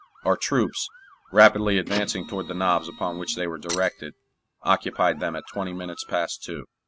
Our troops, rapidly advancing toward the knobs upon which they were directed, occupied them at twenty minutes past two.